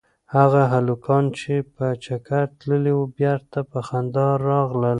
هغه هلکان چې په چکر تللي وو بېرته په خندا راغلل.